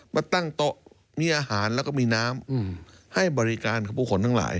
มาตั้งโต๊ะมีอาหารแล้วก็มีน้ำให้บริการกับผู้คนทั้งหลาย